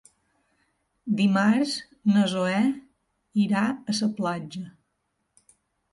Dimarts na Zoè irà a la platja.